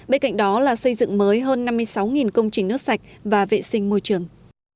bên cạnh đó là xây dựng mới hơn năm mươi sáu công trình nước sạch và vệ sinh môi trường